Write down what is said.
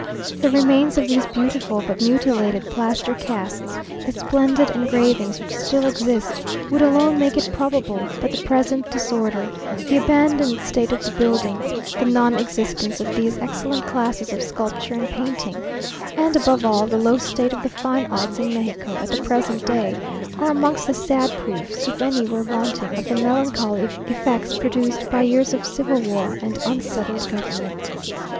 The remains of these beautiful but mutilated plaster casts, the splendid engravings which still exist, would alone make it probable; but the present disorder, the abandoned state of the building, the non existence of these excellent classes of sculpture and painting, and, above all, the low state of the fine arts in Mexico, at the present day, are amongst the sad proofs, if any were wanting, of the melancholy effects produced by years of civil war and unsettled government....